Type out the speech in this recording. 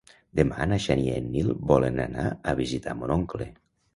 Demà na Xènia i en Nil volen anar a visitar mon oncle.